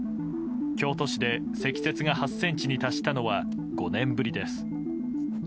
京都市で積雪が８ｃｍに達したのは５年ぶりです。